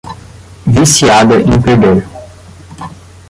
Viciada em perder